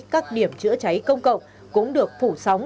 các điểm chữa cháy công cộng cũng được phủ sóng